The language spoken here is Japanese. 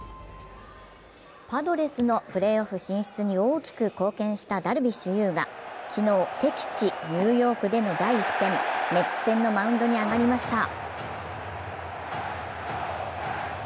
パドレスのプレーオフ進出に大きく貢献したダルビッシュ有が昨日、敵地ニューヨークでの第１戦、メッツ戦のマウンドに上がりました。